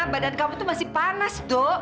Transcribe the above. badan kamu tuh masih panas dok